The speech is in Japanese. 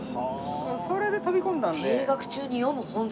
それで飛び込んだので。